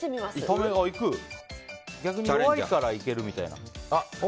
逆に弱いからいけるみたいな。